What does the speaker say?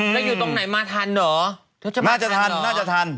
แล้วอยู่ตรงไหนมาทันหรอ